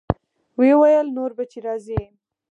ويې ويل نور به چې راځې.